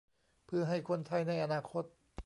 เพื่อให้คนไทยในอนาคต